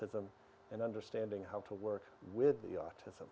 ini berarti memahami bahwa orang orang memiliki autism